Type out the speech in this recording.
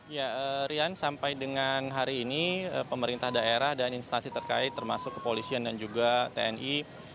ya rian sampai dengan hari ini pemerintah daerah dan instansi terkait termasuk kepolisian dan juga tni